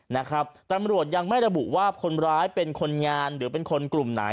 นะครับตำรวจยังไม่ระบุว่าคนร้ายเป็นคนงานหรือเป็นคนกลุ่มไหน